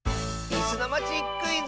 「いすのまちクイズ」！